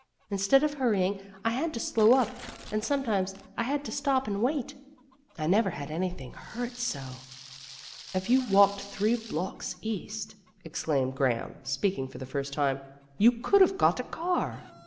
Instead of hurrying I had to slow up, and sometimes I had to stop and wait. I never had anything hurt so." "If you'd walked three blocks east," ex claimed Graham, speaking for the first time, "you could have got a car."